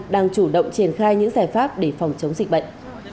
đang chủ động triển khai những giải pháp để phòng chống dịch bệnh